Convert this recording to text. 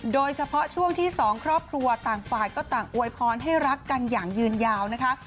โดยเฉพาะช่วงที่สองครอบครัวต่างฝ่ายก็ต่างอวยพรให้รักกันอย่างยืนยาวนะคะ